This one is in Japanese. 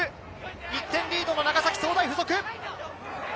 １点リードの長崎総大附属。